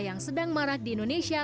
yang sedang marak di indonesia